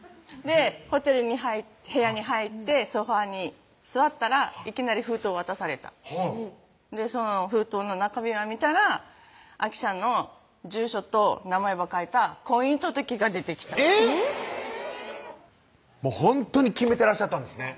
ホテルに入って部屋に入ってソファーに座ったらいきなり封筒渡されたはぁその封筒の中身ば見たらあきちゃんの住所と名前ば書いた婚姻届が出てきたほんとに決めてらっしゃったんですね